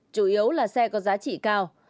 chủ yếu là xe có giá trị cao